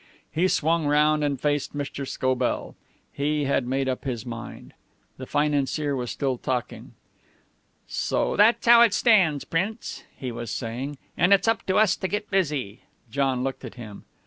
He swung round and faced Mr. Scobell. He had made up his mind. The financier was still talking. "So that's how it stands, Prince," he was saying, "and it's up to us to get busy." John looked at him.